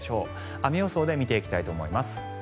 雨予想で見ていきたいと思います。